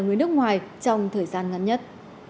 người nước ngoài trong thời gian ngắn nhất